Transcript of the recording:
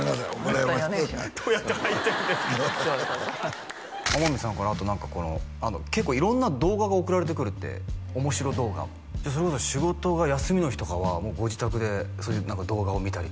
どうやって入ってるんですかそうそうそう天海さんからあと何かこの結構色んな動画が送られてくるって面白動画をそれこそ仕事が休みの日とかはもうご自宅でそういう何か動画を見たり？